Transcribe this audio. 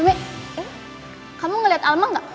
ame kamu ngeliat alma gak